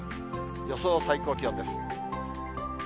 予想最高気温です。